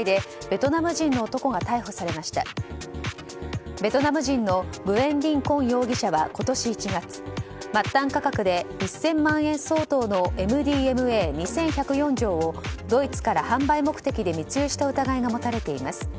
ベトナム人のグエン・ディン・コン容疑者は今年１月末端価格で１０００万円相当のＭＤＭＡ２１０４錠をドイツから販売目的で密輸した疑いが持たれています。